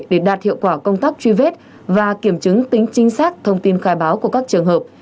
để đạt hiệu quả công tác truy vết và kiểm chứng tính chính xác thông tin khai báo của các trường hợp